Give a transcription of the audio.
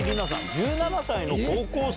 １７歳の高校生。